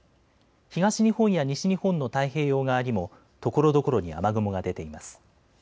東日本や西日本の太平洋側にもところどころに雨雲が出ています。